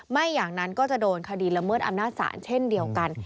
ไม่อย่างนั้นก็จะโดนคดีละเมิดอำนาจศาลเช่นเดียวกัน